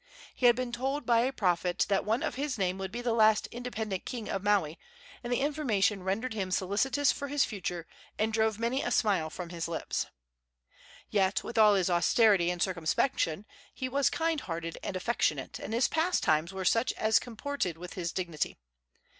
He had been told by a prophet that one of his name would be the last independent king of Maui, and the information rendered him solicitous for his future and drove many a smile from his lips. Yet, with all his austerity and circumspection, he was kind hearted and affectionate, and his pastimes were such as comported with his dignity.